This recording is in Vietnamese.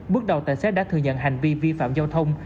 bước đầu tài xét đã thừa nhận hành vi vi phạm giao thông